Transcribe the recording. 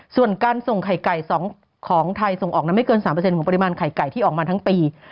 ส่วนการส่งไข่ไก่ของไทยส่งออกนั้นไม่เกิน๓ของปริมาณไข่ไก่ที่ออกมาทั้งปี